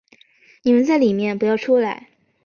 你们在里面不要出来